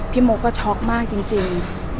โมก็ช็อกมากจริง